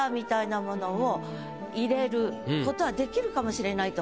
ことはできるかもしれないと思います。